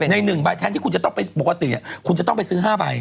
ใน๑ใบแทนที่คุณจะต้องไปปกติคุณจะต้องไปซื้อ๕ใบ